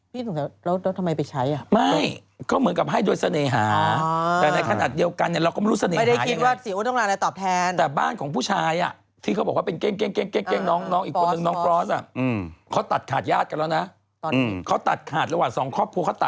พี่ถูกสังเกณฑ์แล้วทำไมไปใช้อ่ะ